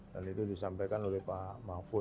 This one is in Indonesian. dan itu disampaikan oleh pak mahfud